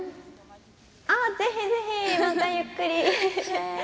ぜひぜひ、またゆっくり。